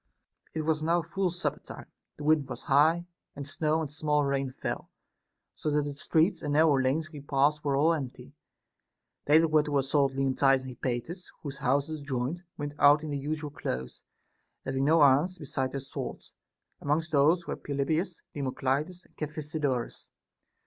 30. It was now full supper time, the wind was high, and snow and small rain fell, so that the streets and nar row lanes we passed were all empty. They that were to assault Leontidas and Hypates, whose houses joined, went out in their usual clothes, having no arras besides their swords ; amongst those were Pelopidas, Democlides, and Cephisodorus.